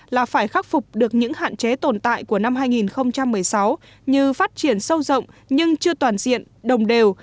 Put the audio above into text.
là phải khắc phục được những hạn chế tồn tại của năm hai nghìn một mươi sáu như phát triển sâu rộng nhưng chưa toàn diện đồng đều